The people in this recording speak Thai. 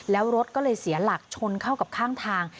แล้วรถก็เลยเสียหลักชนเข้ากับข้างทาง